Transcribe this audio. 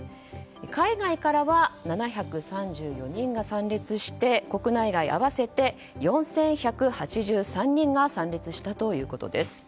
海外からは、７３４人が参列して国内外合わせて４１８３人が参列したということです。